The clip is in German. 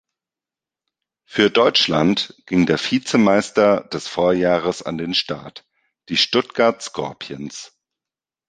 Für Deutschland ging der Vizemeister des Vorjahres an den Start, die Stuttgart Scorpions.